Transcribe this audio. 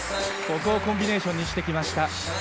ここをコンビネーションにしてきました。